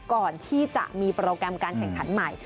ก่อนที่จะมีโปรแกรมการแข่งขันใหม่